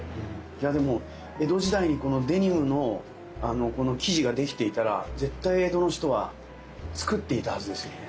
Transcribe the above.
いやでも江戸時代にこのデニムの生地ができていたら絶対江戸の人は作っていたはずですよ。